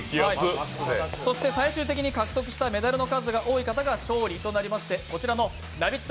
そして最終的に獲得したメダルの数が多い方が勝利ということでこちらのＬＯＶＥＩＴ！